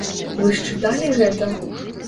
Вы ж чыталі гэта?